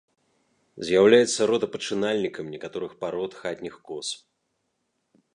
З'яўляецца родапачынальнікам некаторых парод хатніх коз.